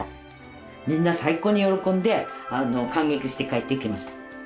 みんな最高に喜んで感激して帰っていきました。